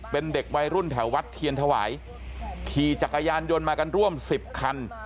เป็นเด็กวัยรุ่นแถววัดเทียนถวายขี่จักรยานยนต์มากันร่วม๑๐คัน